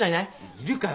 いるかよ